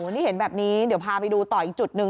นี่เห็นแบบนี้เดี๋ยวพาไปดูต่ออีกจุดหนึ่ง